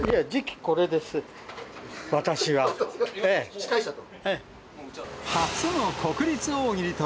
司会者と？